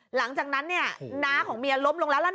หลังจากนั้นเนี่ยหน้าของเมียล้มลงแล้วนั่นน่ะ